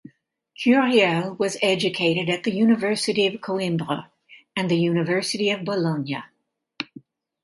Curiel was educated at the University of Coimbra and the University of Bologna.